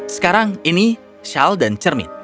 sekarang ini shawl dan cermin